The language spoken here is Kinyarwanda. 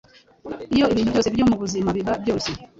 Iyo ibintu byose byo mu buzima biba byoroshye,